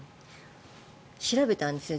調べたんですよ。